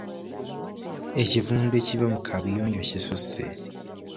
Ekivundu ekiva mu kabuyonjo kisusse.